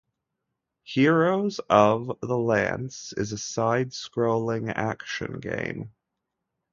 "Heroes of the Lance" is a side-scrolling action game.